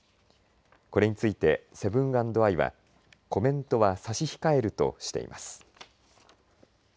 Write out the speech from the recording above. これについてセブン＆アイはコメントは差し控えるとしています。